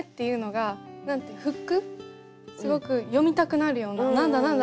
すごく読みたくなるような「何だ何だ？」